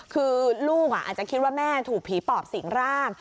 คือลูกอาจจะคิดว่าแม่ถูกผีปอบสิงร่าง